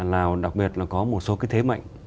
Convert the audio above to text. lào đặc biệt là có một số cái thế mạnh